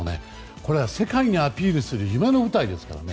これは世界にアピールする夢の舞台ですからね。